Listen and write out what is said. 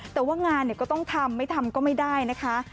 แต่ว่างานก็ต้องทำไม่ทำก็ไม่ได้นะคะ